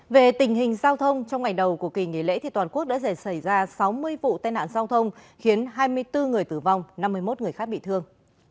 về tình hình giao thông trong ngày đầu của kỳ nghỉ lễ toàn quốc đã xảy ra sáu mươi vụ tai nạn giao thông khiến hai mươi bốn người tử vong năm mươi một người khác bị thương